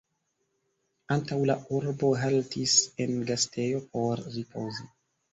Antaŭ la urbo haltis en gastejo por ripozi.